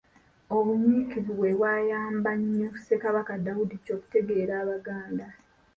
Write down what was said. Obunyiikivu bwe bwayamba nnyo Ssekabaka Daudi Chwa okutegeera Abaganda.